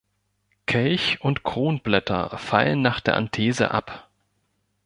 Kelch- und Kronblätter fallen nach der Anthese ab.